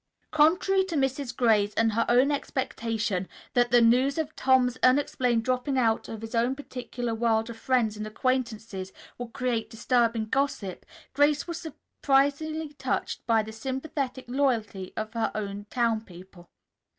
Contrary to Mrs. Gray's and her own expectation that the news of Tom's unexplained dropping out of his own particular world of friends and acquaintances would create disturbing gossip, Grace was supremely touched by the sympathetic loyalty of her townspeople.